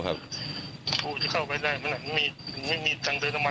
ก็คือเขาไปรับติดชบอยู่จุดตรงนั้น